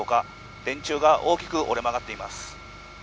電柱が大きく折れ曲がっています。